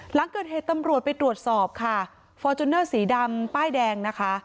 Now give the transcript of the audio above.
หลังเกิดเหตุตำรวจไปตรวจสอบค่ะฟอร์จูเนอร์สีดำป้ายแดงนะคะ